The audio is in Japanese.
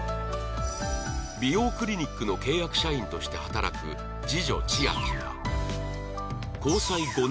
美容クリニックの契約社員として働く次女千秋は